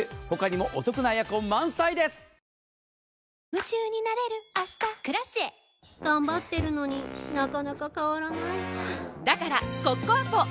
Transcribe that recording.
夢中になれる明日「Ｋｒａｃｉｅ」頑張ってるのになかなか変わらないはぁだからコッコアポ！